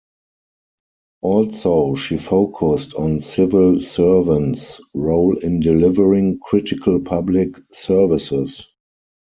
Also, she focused on civil servants' role in delivering critical public services.